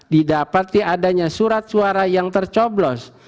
didapati adanya surat suara yang tercoblos